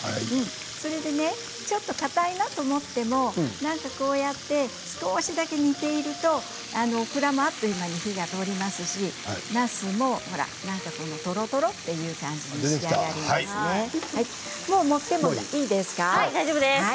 それでねちょっとかたいなと思ってもなんかこうやって少しだけ煮ているとオクラもあっという間に火が通りますしなすも、ほらとろとろという感じで大丈夫です。